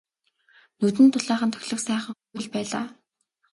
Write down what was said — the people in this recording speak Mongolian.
Нүдэнд дулаахан тохилог сайхан хонгил байлаа.